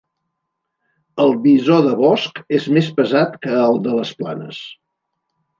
El bisó de bosc és més pesat que el de les planes.